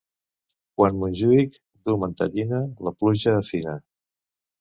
Quan Montjuïc duu mantellina, la pluja afina.